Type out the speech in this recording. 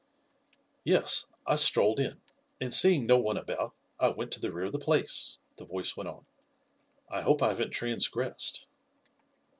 "Yes, I strolled in, and seeing no one about I went to the rear of the place," the voice went on. "I hope I haven't transgressed."